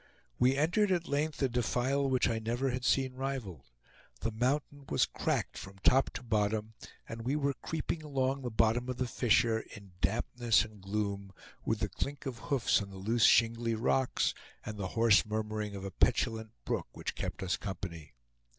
We entered at length a defile which I never had seen rivaled. The mountain was cracked from top to bottom, and we were creeping along the bottom of the fissure, in dampness and gloom, with the clink of hoofs on the loose shingly rocks, and the hoarse murmuring of a petulant brook which kept us company.